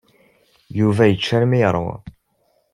Yuba yečča armi ay yeṛwa.